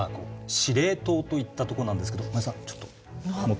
司令塔といったとこなんですけど真矢さんちょっと持って。